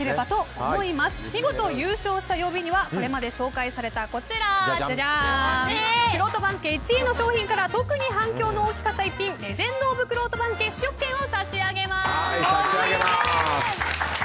見事優勝した曜日にはこれまで紹介されたこちら、くろうと番付１位の商品から特に反響の大きかった一品レジェンド・オブ・くろうと番付試食券を差し上げます。